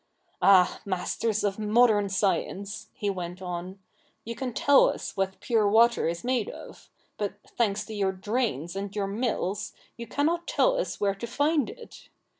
* Ah ! masters of modern science,' he went on, ' you can tell us what pure water is made of; but, thanks to your drains and your mills, you cannot tell us where to find it.